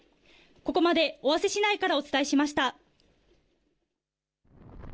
ここまで尾鷲市内からお伝えしました。